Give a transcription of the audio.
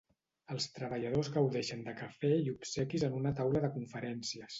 Els treballadors gaudeixen de cafè i obsequis en una taula de conferències.